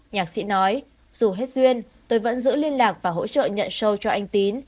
nhạc sĩ nói dù hết duyên tôi vẫn giữ liên lạc và hỗ trợ nhận show cho anh tín